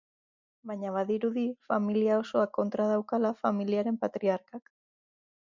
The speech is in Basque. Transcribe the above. Baina badirudi familia osoa kontra daukala familiaren patriarkak.